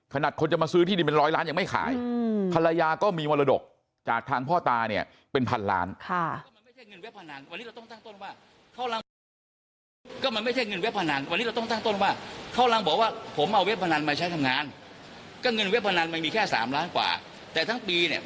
ขนาดคนจะมาซื้อที่ดินเป็นร้อยล้านยังไม่ขายภรรยาก็มีมรดกจากทางพ่อตาเนี่ยเป็นพันล้านค่ะ